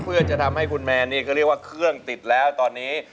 เพื่อจะทำให้คุณแมนนี่ก็เรียกว่าเครื่องติดแล้วตอนนี้